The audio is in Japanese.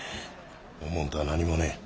おもんとは何もねえ。